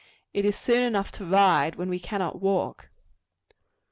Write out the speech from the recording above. It is soon enough to ride when we cannot walk.